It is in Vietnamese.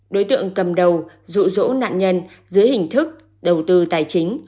đối tượng cầm đầu rụ rỗ nạn nhân dưới hình thức đầu tư tài chính